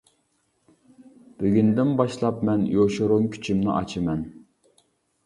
بۈگۈندىن باشلاپ، مەن يوشۇرۇن كۈچۈمنى ئاچىمەن.